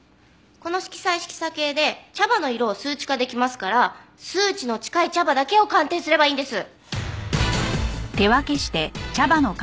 この色彩色差計で茶葉の色を数値化できますから数値の近い茶葉だけを鑑定すればいいんです。